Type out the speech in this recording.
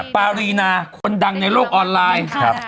ปารีนาคนดังในโลกออนไลน์